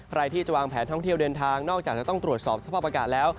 ใครที่จะวางแผนท่องเที่ยวเดินทางนอกจากจะต้องตรวจสอบสภาพอากาศแล้ว